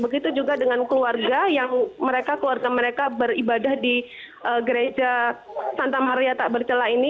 begitu juga dengan keluarga yang mereka keluarga mereka beribadah di gereja santa maria tak bercelah ini